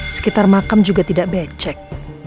sekitar makam juga tidak becek